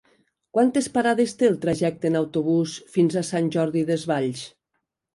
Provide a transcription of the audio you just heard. Quantes parades té el trajecte en autobús fins a Sant Jordi Desvalls?